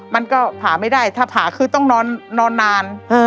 มันก็ผ่าไม่ได้ถ้าผ่าคือต้องนอนนาน